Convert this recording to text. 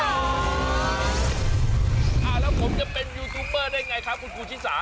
แล้วผมจะเป็นยูทูปเปอร์ได้ไงครับคุณครูชิสา